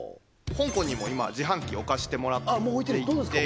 香港にも今自販機置かせてもらっていてどうですか？